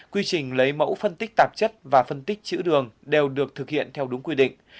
quy trình lấy mẫu phân tích tạp chất và phân tích chữ đường đều được thực hiện theo đúng quy định